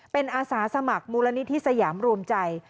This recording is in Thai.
เป็นอาสาสมัครมูลนิธิสยามรวมใจ